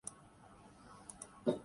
بھارت کا امیر تر